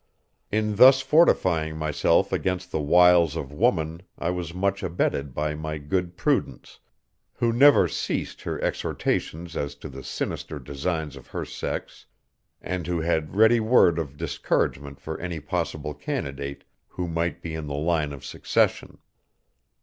In thus fortifying myself against the wiles of woman I was much abetted by my good Prudence, who never ceased her exhortations as to the sinister designs of her sex, and who had a ready word of discouragement for any possible candidate who might be in the line of succession.